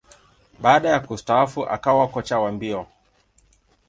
Baada ya kustaafu, akawa kocha wa mbio.